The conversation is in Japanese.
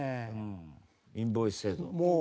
インボイス制度。